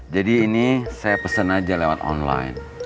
jadi ini saya pesen aja lewat online